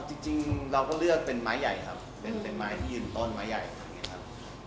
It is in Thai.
จริงเราก็เลือกเป็นไม้ใหญ่ครับเป็นไม้ที่ยืนต้นไม้ใหญ่ขนาดนี้ครับ